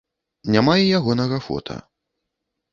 Няма і ягонага фота.